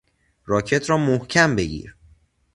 راکت را محکم بگیر!